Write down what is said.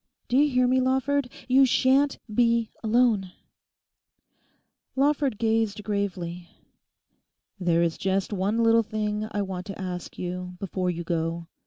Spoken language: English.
Do you hear me, Lawford?—you sha'n't be alone!' Lawford gazed gravely. 'There is just one little thing I want to ask you before you go.